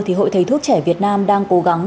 thì hội thầy thuốc trẻ việt nam đang cố gắng